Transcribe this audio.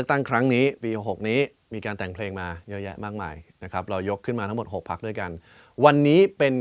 ทำไมทุกเพลงมันจะต้องเป็นแบบ